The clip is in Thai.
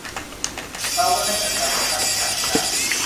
เราก็แค่จัดการกับค่าใช้จ่ายไม่ได้